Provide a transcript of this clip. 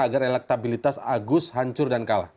agar elektabilitas agus hancur dan kalah